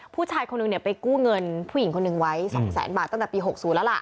ผู้ชายคนหนึ่งไปกู้เงินผู้หญิงคนหนึ่งไว้๒แสนบาทตั้งแต่ปี๖๐แล้วล่ะ